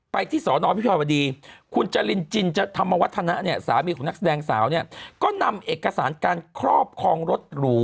ไปที่ศนพิพัฒนาบดีคุณจรินจินธรรมวัฒนธรรมิู่นักแสดงสาวก็นำเอกสารการคลอบคลองรถหรู